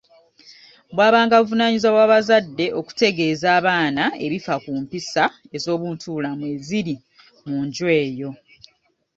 Bwabanga buvunaanyizibwa bwa bazadde okutegeeza abaana ebifa ku empisa ez’obuntubulamu eziri mu nju eyo.